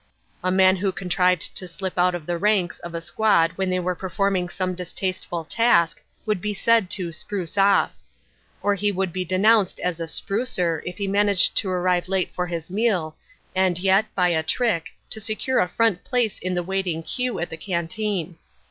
A man who contrived to slip out of the ranks of a squad when they were performing some distasteful task would be said to "spruce off." Or he would be denounced as a "sprucer" if he managed to arrive late for his meal and yet, by a trick, to secure a front place in the waiting queue at the canteen.